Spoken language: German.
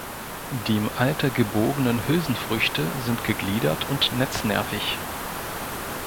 Die im Alter gebogenen Hülsenfrüchte sind gegliedert und netznervig.